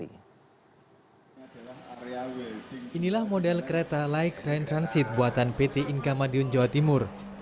inilah model kereta light rain transit buatan pt inka madiun jawa timur